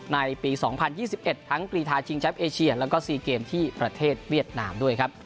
ในปีสองพันยี่สิบเอ็ดทั้งกรีธาจิงชัพเอเชียแล้วก็ซีเกมที่ประเทศเวียดนามด้วยครับ